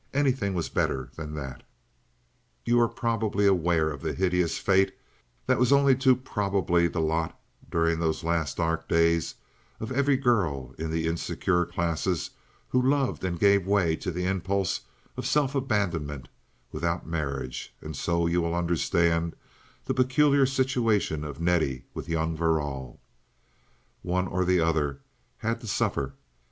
Anything was better than that. You are probably aware of the hideous fate that was only too probably the lot, during those last dark days, of every girl of the insecure classes who loved and gave way to the impulse of self abandonment without marriage, and so you will understand the peculiar situation of Nettie with young Verrall. One or other had to suffer.